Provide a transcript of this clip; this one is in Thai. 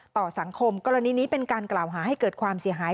ต่อสังคมกรณีนี้เป็นการกล่าวหาให้เกิดความเสียหาย